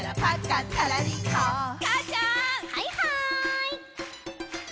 はいはい！